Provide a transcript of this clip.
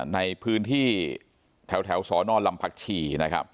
ในพื้นที่แถวสอนรรมภัคชี